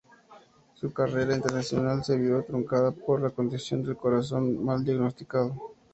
Su carrera internacional se vio truncada por la condición del corazón mal diagnosticado.